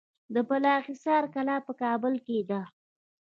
د بالاحصار کلا په کابل کې ده